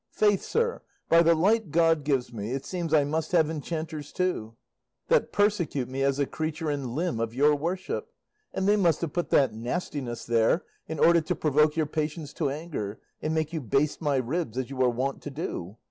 Faith, sir, by the light God gives me, it seems I must have enchanters too, that persecute me as a creature and limb of your worship, and they must have put that nastiness there in order to provoke your patience to anger, and make you baste my ribs as you are wont to do.